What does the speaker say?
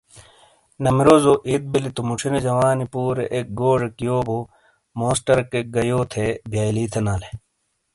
نمروزو عید بلی تو موچھِینے جوانی پورے اک گوزیک یو بو موس ٹرکیک گہ یو تھے بیئلی تھینالے۔